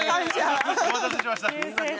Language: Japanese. お待たせしました。